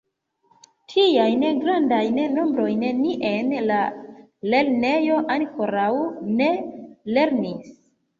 Tiajn grandajn nombrojn ni en la lernejo ankoraŭ ne lernis.